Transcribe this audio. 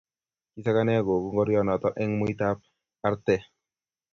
kisakane gogoe ngorionoto eng' muitab arte